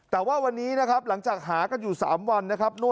แต่ว่าวันนี้นะครับหลังจากหากันอยู่๓วันนะครับ